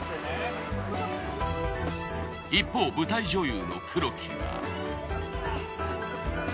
一方舞台女優の黒木は。